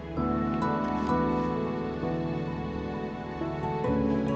nanti kalau udah selesai aku kesan lagi